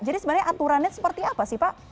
jadi sebenarnya aturannya seperti apa sih pak